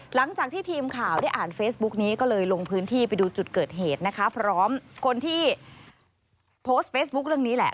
หลังจากที่ทีมข่าวได้อ่านเฟซบุ๊กนี้ก็เลยลงพื้นที่ไปดูจุดเกิดเหตุนะคะพร้อมคนที่โพสต์เฟซบุ๊คเรื่องนี้แหละ